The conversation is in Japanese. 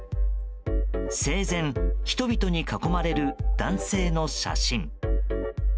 生前、人々に囲まれる男性の写真。